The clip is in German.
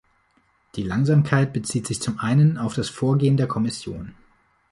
Die Langsamkeit bezieht sich zum einen auf das Vorgehen der Kommission.